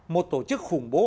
một tổ chức khủng bố